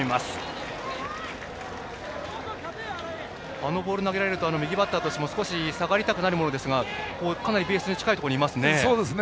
あのボールを投げられると右バッターとしても下がりたくなるものですがかなりベースに近いところにいますね。